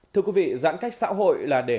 thưa quý vị giãn cách xã hội là để